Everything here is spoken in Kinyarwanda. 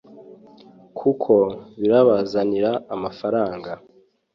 kuko birabazanira amafaranga